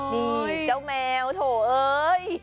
นี่เจ้าแมวโถเอ้ย